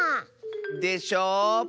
でしょう